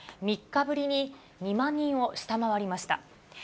３日ぶりに２万人を下回りました。